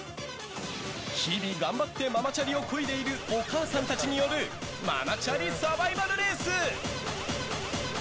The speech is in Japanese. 日々、頑張ってママチャリをこいでいるお母さんたちによるママチャリサバイバルレース！